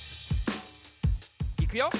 いくよ。